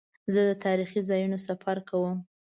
زه د تاریخي ځایونو سفر کوم.